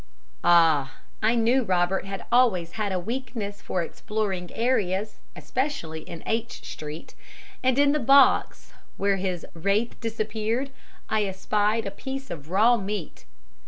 Ah! I knew Robert had always had a weakness for exploring areas, especially in H Street, and in the box where his wraith disappeared I espied a piece of raw meat!